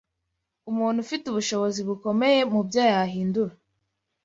Umuntu ufite ubushobozi bukomeye mu byo yahindura